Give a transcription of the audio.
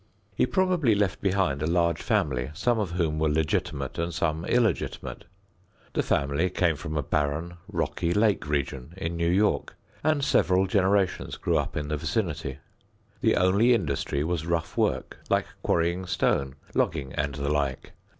He probably left behind a large family, some of whom were legitimate and some illegitimate. The family came from a barren, rocky, lake region in New York and several generations grew up in the vicinity. The only industry was rough work like quarrying stone, logging and the like.